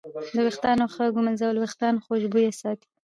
د ویښتانو ښه ږمنځول وېښتان خوشبویه ساتي.